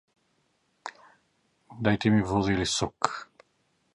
Дај ми вода или сок.